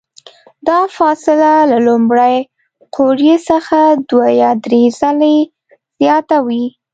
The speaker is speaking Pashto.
دا فاصله له لومړۍ قوریې څخه دوه یا درې ځلې زیاته وي.